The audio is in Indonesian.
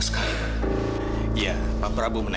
saya tidak mau bunuh